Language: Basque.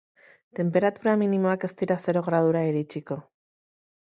Tenperatura minimoak ez dira zero gradura iritsiko.